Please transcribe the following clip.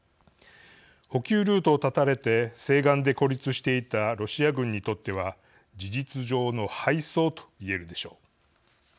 補給ルートを断たれて西岸で孤立していたロシア軍にとっては事実上の敗走と言えるでしょう。